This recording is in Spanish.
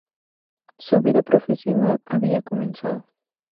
Su vida profesional había comenzado.